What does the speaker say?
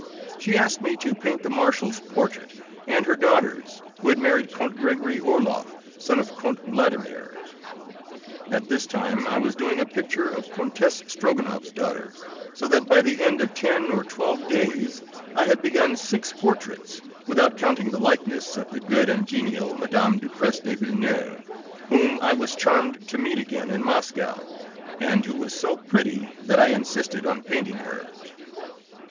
She asked me to paint the Marshal's portrait, and her daughter's, who had married Count Gregory Orloff, son of Count Vladimir. At this time I was doing a picture of Countess Strogonoff's daughter, so that by the end of ten or twelve days I had begun six portraits, without counting the likeness of the good and genial Mme. Ducrest de Villeneuve, whom I was charmed to meet again in Moscow, and who was so pretty that I insisted on painting her.